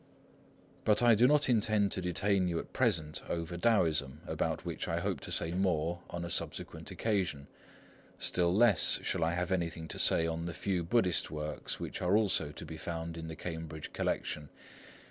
But I do not intend to detain you at present over Taoism, about which I hope to say more on a subsequent occasion. Still less shall I have anything to say on the few Buddhist works which are also to be found in the Cambridge collection.